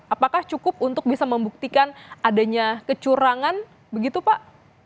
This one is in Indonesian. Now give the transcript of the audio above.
apakah cukup untuk bisa membuktikan adanya kecurangan begitu pak